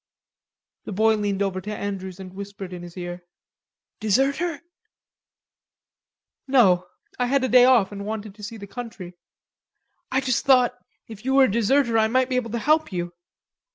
The boy leaned over to Andrews and whispered in his car: "Deserter?" "No.... I had a day off and wanted to see the country." "I just thought, if you were a deserter, I might be able to help you.